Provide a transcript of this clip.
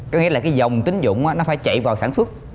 có nghĩa là cái dòng tín dụng nó phải chạy vào sản xuất